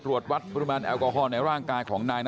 เดี๋ยวคุดอะไรมั้ยพี่สุดท้ายสุดอยากพูดอะไรอะไรอย่างเนี้ยพี่